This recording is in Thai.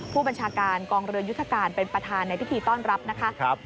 ผู้บัญชาการกองเรือยุทธการเป็นประธานในพิธีต้อนรับนะคะ